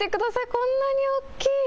こんなに大きい。